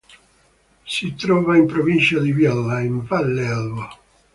Si trova in Provincia di Biella, in Valle Elvo.